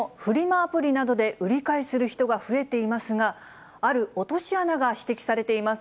アプリなどで売り買いする人が増えていますが、ある落とし穴が指摘されています。